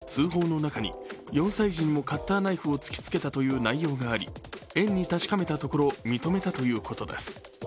市の関係者によると、通報の中に、４歳児にもカッターナイフを突きつけたという内容があり、園に確かめたところ認めたということです。